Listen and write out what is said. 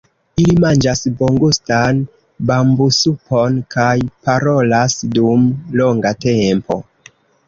Ili manĝas bongustan bambusupon kaj parolas dum longa tempo.